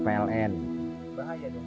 bahaya dong itu